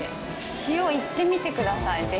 塩いってみてくださいぜひ。